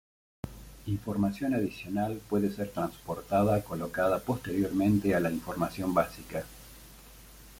Información adicional puede ser transportada colocada posteriormente a la información básica.